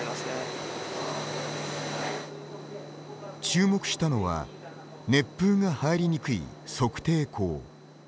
注目したのは熱風が入りにくい測定口。